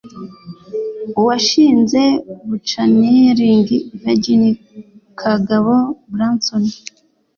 Uwashinze buccaneering Virgin, Kagabo Branson